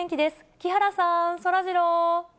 木原さん、そらジロー。